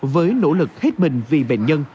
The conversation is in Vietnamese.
với nỗ lực hết mình vì bệnh nhân